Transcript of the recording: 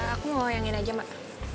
aku mau yang ini aja mbak